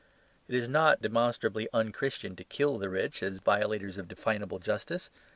It is not demonstrably un Christian to kill the rich as violators of definable justice.